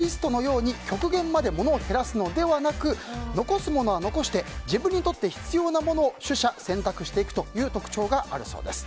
ミニマリストのように極限まで物を減らすのではなく残すものは残して自分にとって必要なものを取捨選択していく特徴があるそうです。